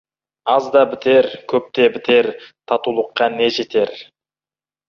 Аз да бітер, көп те бітер, татулыққа не жетер.